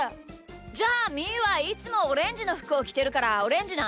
じゃあみーはいつもオレンジのふくをきてるからオレンジな。